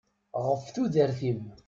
Ɣef tudert-im.